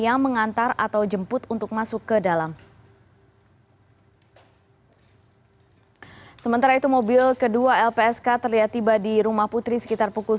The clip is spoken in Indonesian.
yang mengantar atau jemput untuk masuk